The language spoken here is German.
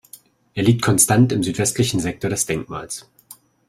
Er liegt konstant im südwestlichen Sektor des Denkmals.